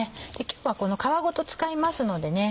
今日は皮ごと使いますのでね